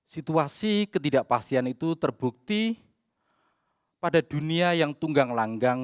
situasi ketidakpastian itu terbukti pada dunia yang tunggang langgang